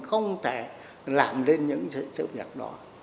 không thể làm lên những sự việc đó